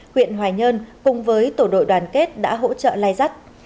huyện hoài nhơn cùng với tổ đội đoàn kết đã hỗ trợ lai dắt